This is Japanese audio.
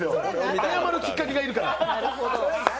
謝るきっかけがいるから。